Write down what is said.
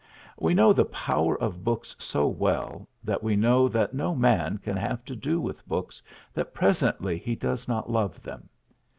We know the power of books so well that we know that no man can have to do with books that presently he does not love them.